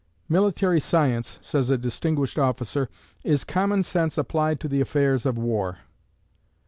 "Military science," says a distinguished officer, "is common sense applied to the affairs of war."